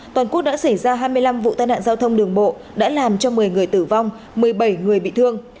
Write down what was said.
toàn quốc đã xảy ra hai mươi năm vụ tai nạn giao thông đường bộ đã làm cho một mươi người tử vong một mươi bảy người bị thương